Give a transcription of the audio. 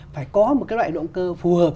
phải có một cái loại động cơ phù hợp